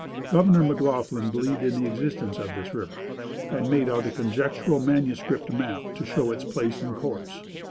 Governor McLaughlin believed in the existence of this river, and made out a conjectural manuscript map to show its place and course.